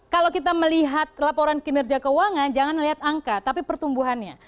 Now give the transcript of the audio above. kalau kita melihat laporan kinerja keuangan jangan melihat angka tapi pertumbuhannya